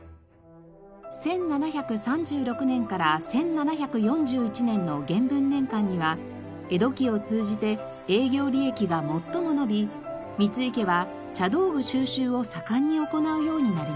１７３６年から１７４１年の元文年間には江戸期を通じて営業利益が最も伸び三井家は茶道具収集を盛んに行うようになりました。